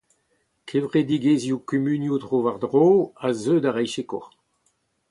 Kevredigezhioù kumunioù tro-war-dro a zeu da reiñ sikour.